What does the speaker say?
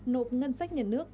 nộp ngân sách nhận nước